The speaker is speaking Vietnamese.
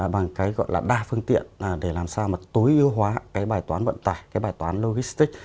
bằng cái gọi là đa phương tiện để làm sao mà tối ưu hóa cái bài toán vận tải cái bài toán logistic